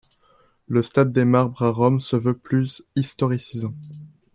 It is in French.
Le stade des Marbres à Rome se veut plus historicisant.